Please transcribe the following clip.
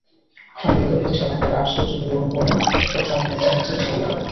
America হইতে সেখানকার আশ্চর্যবিবরণপূর্ণ পত্র আমি মধ্যে মধ্যে তোমায় লিখিব।